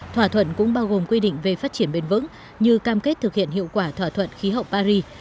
thỏa thuận cũng bao gồm quy định về phát triển bền vững như cam kết thực hiện hiệu quả thỏa thuận khí hậu paris